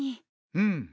うん。